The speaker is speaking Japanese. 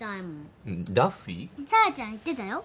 サラちゃん言ってたよ。